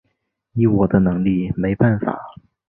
以我的能力没办法